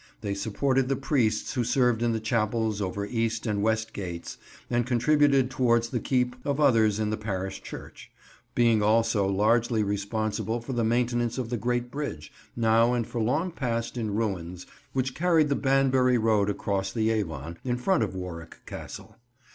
They supported the priests who served in the chapels over East and West gates, and contributed towards the keep of others in the parish church; being also largely responsible for the maintenance of the great bridge, now and for long past in ruins, which carried the Banbury road across the Avon, in front of Warwick Castle.